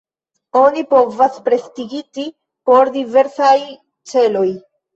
Oni povas prestidigiti por diversaj celoj.